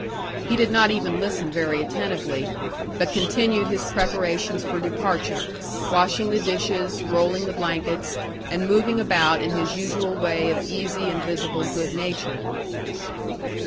He did not even listen very attentively, but continued his preparations for departure, washing the dishes, rolling the blankets, and moving about in his usual way of easy and visible good nature.